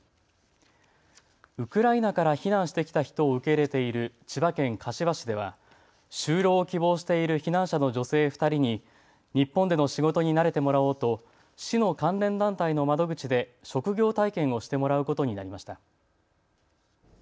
ウクライナから避難してきた人を受け入れている千葉県柏市では就労を希望している避難者の女性２人に日本での仕事に慣れてもらおうと市の関連団体の窓口で職業体験をしてもらうことになりました。